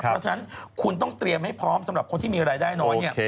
เพราะฉะนั้นคุณต้องเตรียมให้พร้อมสำหรับคนที่มีรายได้น้อยเนี่ย